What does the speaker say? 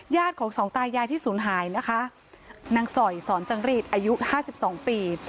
ญาติของสองตายายที่สูญหายนะคะนางสอยสอนจังรีดอายุ๕๒ปี